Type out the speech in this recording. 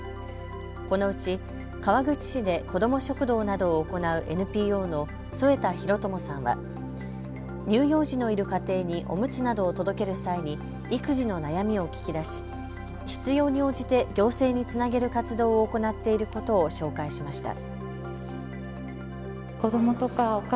このうち川口市で子ども食堂などを行うＮＰＯの添田大智さんは乳幼児のいる家庭におむつなどを届ける際に育児の悩みを聞き出し必要に応じて行政につなげる活動を行っていることを紹介しました。